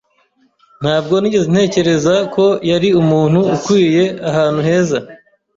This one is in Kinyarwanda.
Ntabwo nigeze ntekereza ko yari umuntu ukwiye ahantu heza.